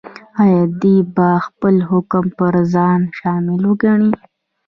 ایا دی به خپل حکم پر ځان شامل وګڼي؟